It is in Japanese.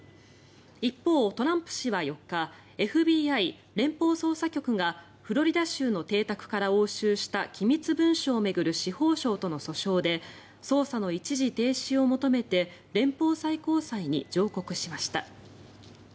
一方、トランプ氏は４日ＦＢＩ・連邦捜査局がフロリダ州の邸宅から押収した機密文書を巡る司法省との訴訟で捜査の一時停止を求めて連邦最高裁に上告しました。